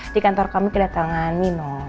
di kantor kami kedatangan nino